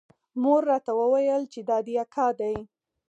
مور راته وويل چې دا دې اکا دى.